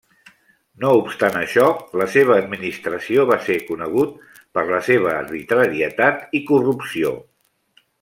No obstant això, la seva administració va ser conegut per la seva arbitrarietat i corrupció.